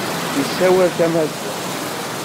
Yessawal tamaziɣt.